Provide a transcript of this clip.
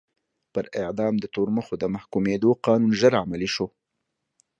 پر اعدام د تورمخو د محکومېدو قانون ژر عملي شو.